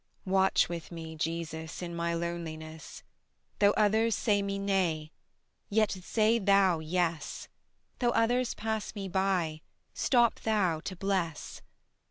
Watch with me, Jesus, in my loneliness: Though others say me nay, yet say Thou yes; Though others pass me by, stop Thou to bless.